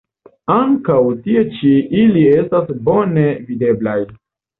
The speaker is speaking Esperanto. Ankaŭ tie ĉi ili estas bone videblaj.